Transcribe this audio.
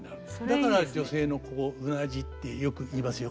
だから女性のここうなじってよく言いますよ